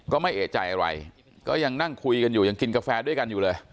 ก็ไม่เอกใจอะไรก็ยังนั่งคุยกันอยู่ยังกินกาแฟด้วยกันอยู่เลย